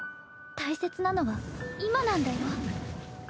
大切なのは今なんだよ。